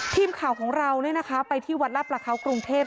ทีมข่าวของเราเนี่ยนะคะไปที่วัดลับประเขากรุงเทพฯ